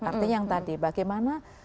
artinya yang tadi bagaimana